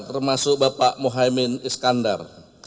termasuk bapak mohaimin iskandar